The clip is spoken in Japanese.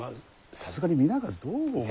さすがに皆がどう思うか。